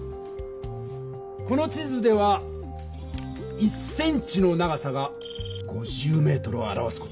この地図では１ｃｍの長さが５０ｍを表す事になっている。